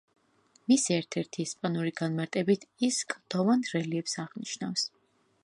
მისი ერთ-ერთი ესპანური განმარტებით, ის კლდოვან რელიეფს აღნიშნავს.